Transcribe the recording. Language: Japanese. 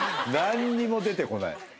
何にも出てこない。